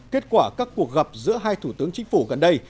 kết quả các cuộc gặp giữa hai thủ tướng chính phủ gần đây